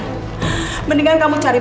ya mendingan kamu cari